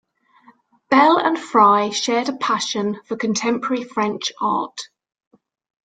Bell and Fry shared a passion for contemporary French art.